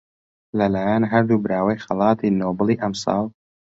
لەلایەن هەردوو براوەی خەڵاتی نۆبڵی ئەمساڵ